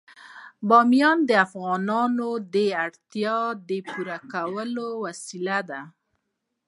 بامیان د افغانانو د اړتیاوو د پوره کولو وسیله ده.